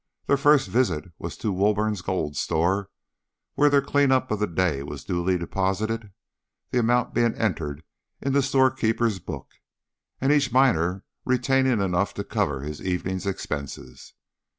Their first visit was to Woburn's gold store, where their clean up of the day was duly deposited, the amount being entered in the storekeeper's book, and each miner retaining enough to cover his evening's expenses.